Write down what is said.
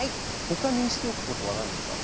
他にしておくことは何ですか？